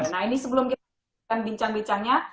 nah ini sebelum kita bincang bincangnya